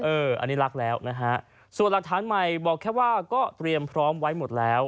อันนี้รักแล้วนะฮะส่วนหลักฐานใหม่บอกแค่ว่าก็เตรียมพร้อมไว้หมดแล้ว